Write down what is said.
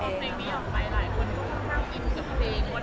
ตอนเพลงีนี้ออกไปหลายคนก็เชื่อมีกับเพลง